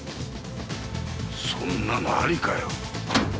そんなのありかよ。